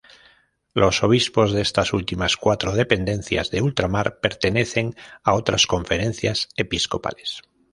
Los obispos de estas últimas cuatro dependencias de ultramar pertenecen a otras conferencias episcopales.